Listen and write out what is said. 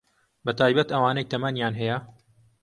بەتایبەت ئەوانەی تەمەنیان هەیە